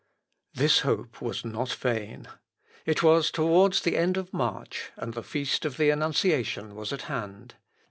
] This hope was not vain. It was towards the end of March, and the feast of the Annunciation was at hand.